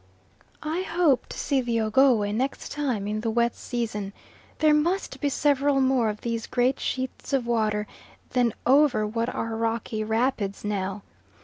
I hope to see the Ogowe next time in the wet season there must be several more of these great sheets of water then over what are rocky rapids now.